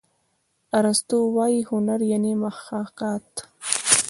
ارستو وايي هنر یعني محاکات.